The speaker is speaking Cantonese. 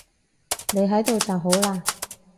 你喺度就好喇